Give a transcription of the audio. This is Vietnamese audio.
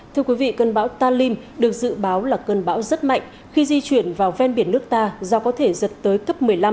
thưa quý vị cơn bão talim được dự báo là cơn bão rất mạnh khi di chuyển vào ven biển nước ta do có thể giật tới cấp một mươi năm